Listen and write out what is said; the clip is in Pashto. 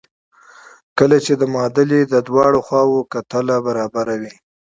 کله چې د معادلې د دواړو خواوو کتله برابره وي.